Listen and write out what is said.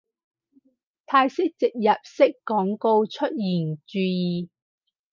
泰式植入式廣告出現注意